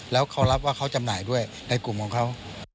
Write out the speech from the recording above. แล้วเขารับว่าเขาจำหน่ายด้วยในกลุ่มของเขา